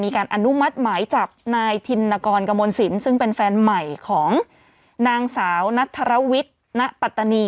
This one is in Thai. อนุมัติหมายจับนายธินกรกมลสินซึ่งเป็นแฟนใหม่ของนางสาวนัทธรวิทย์ณปัตตานี